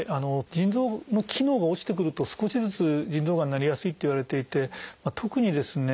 腎臓の機能が落ちてくると少しずつ腎臓がんになりやすいといわれていて特にですね